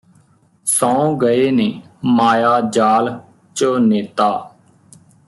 ਸੌਂ ਗਏ ਨੇ ਮਾਇਆ ਜਾਲ ਚ ਨੇਤਾ